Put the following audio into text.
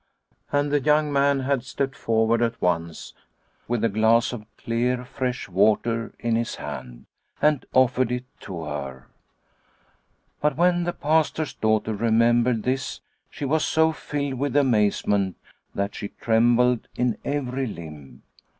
And the young man had stepped forward at once with a glass of clear fresh water in his hand, and offered it to her. But when the Pastor's daughter remembered this she was so filled with amazement that she trembled in every limb.